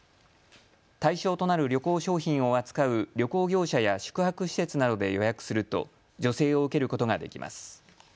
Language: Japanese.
対象となる旅行商品を扱う旅行業者や宿泊施設などで予約すると助成を受けることができます。